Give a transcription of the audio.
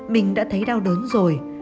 mình đã thấy đau đớn rồi